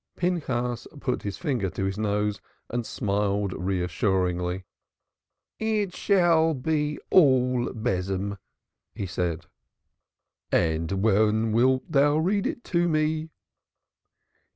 Pinchas put his finger to his nose and smiled reassuringly. "It shall be all besom," he said. "And when wilt thou read it to me?"